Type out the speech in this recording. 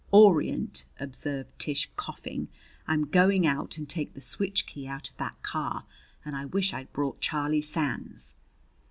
"Orient!" observed Tish, coughing. "I'm going out and take the switch key out of that car. And I wish I'd brought Charlie Sands!"